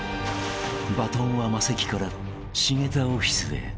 ［バトンはマセキから茂田オフィスへ］